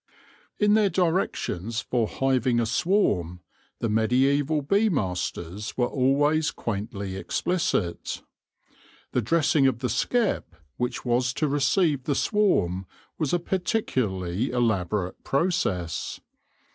In their directions for hiving a swarm, the mediaeval bee masters were always quaintly explicit. The dressing of the skep which was to receive the swarm was a particularly elaborate process.